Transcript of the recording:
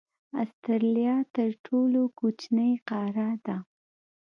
استرالیا تر ټولو کوچنۍ قاره ده.